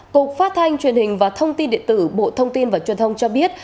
cục phát thanh truyền hình và thông tin điện tử bộ thông tin và truyền thông cho biết